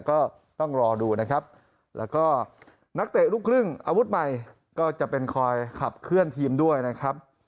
ก็ต้องรอดูนะครับแล้วก็นักเตะลูกครึ่งอาวุธใหม่ก็จะเป็นคอยขับเคลื่อนทีมด้วยนะครับ